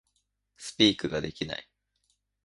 Speak ができない